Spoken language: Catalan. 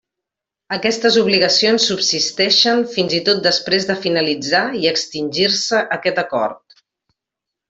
Aquestes obligacions subsisteixen fins i tot després de finalitzar i extingir-se aquest acord.